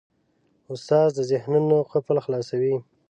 استاد د ذهنونو قفل خلاصوي.